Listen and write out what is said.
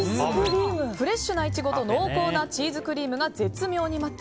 フレッシュなイチゴと濃厚なチーズクリームが絶妙にマッチ。